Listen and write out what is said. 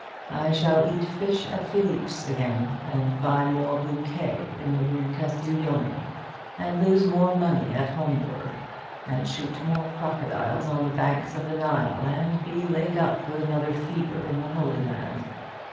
I shall eat fish at Philippe's again, and buy more bouquets in the Rue Castiglione, and lose more money at Hombourg, and shoot more crocodiles on the banks of the Nile, and be laid up with another fever in the Holy Land.